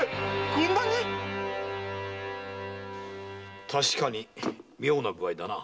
こんなに⁉確かに妙な具合だなあ。